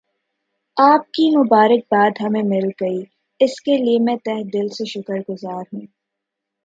آپ کی مبارک باد ہمیں مل گئی اس کے لئے میں تہہ دل سے شکر گزار ہوں